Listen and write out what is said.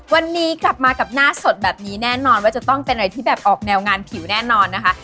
วันนี้กลับมากับหน้าสดแบบนี้แน่นอนว่าจะต้องเป็นอะไรที่แบบออกแนวงานผิวแน่นอนนะคะ